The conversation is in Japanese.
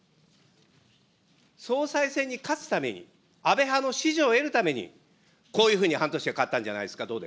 総裁選に勝つために、安倍派の支持を得るために、こういうふうに半年で変わったんじゃないですか。